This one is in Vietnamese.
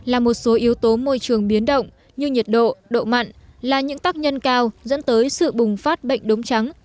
là một số yếu tố môi trường biến động như nhiệt độ độ mặn là những tác nhân cao dẫn tới sự bùng phát bệnh đống trắng